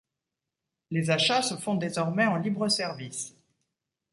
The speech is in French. Les achats se font désormais en libre-service.